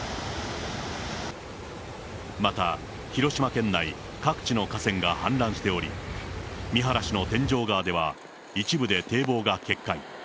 また広島県内各地の河川が氾濫しており、三原市の天井川では一部で堤防が決壊。